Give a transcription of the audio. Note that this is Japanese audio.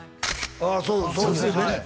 ああそうですね